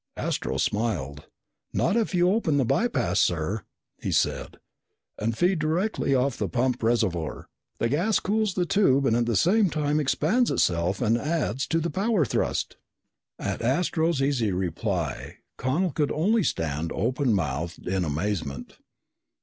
Astro smiled. "Not if you open the by pass, sir," he said, "and feed directly off the pump reservoir. The gas cools the tube and at the same time expands itself and adds to the power thrust." At Astro's easy reply Connel could only stand openmouthed in amazement.